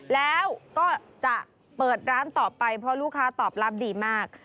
แล้วก็จะเปิดร้านต่อไปเพราะลูกค้าตอบรับดีมาก